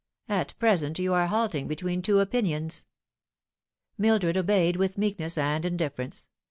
At present you are halting between two opinions." Mildred obeyed with meekness and indifference.